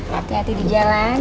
hati hati di jalan